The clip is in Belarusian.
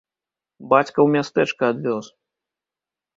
Бацька ў мястэчка адвёз.